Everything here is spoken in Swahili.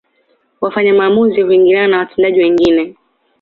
Wafanya maamuzi huingiliana na watendaji wengine